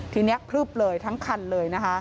ทีนี้พลือบเลยทั้งคันเลย